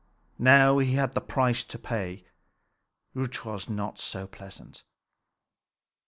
Now he had the price to pay, which was not so pleasant.